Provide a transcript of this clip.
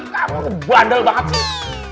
kamu tuh bandel banget sih